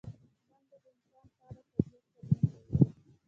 منډه د انسان فعاله طبیعت څرګندوي